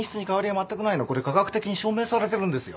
これ科学的に証明されてるんですよ。